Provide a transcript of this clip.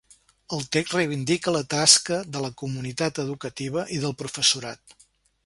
El text reivindica la tasca de la comunitat educativa i del professorat.